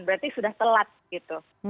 berarti sudah telat gitu